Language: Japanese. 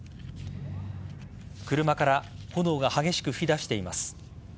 車から炎が激しく吹き出しています。